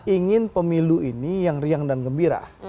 ingin pemilu ini yang riang dan gembira